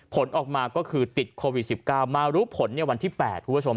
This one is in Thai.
ผลออกมาก็คือติดโควิด๑๙มารู้ผลในวันที่๘คุณผู้ชม